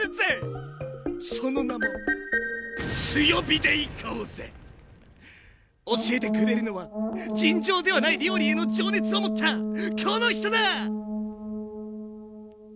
その名も教えてくれるのは尋常ではない料理への情熱を持ったこの人だ！